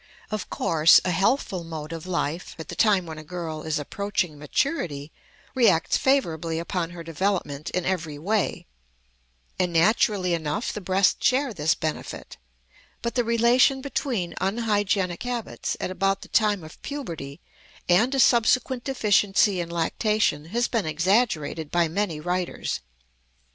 Of course, a healthful mode of life at the time when a girl is approaching maturity reacts favorably upon her development in every way, and naturally enough the breasts share this benefit; but the relation between unhygienic habits at about the time of puberty and a subsequent deficiency in lactation has been exaggerated by many writers.